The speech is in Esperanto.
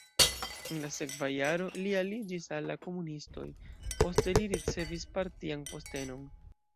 En la sekva jaro li aliĝis al la komunistoj, poste li ricevis partian postenon.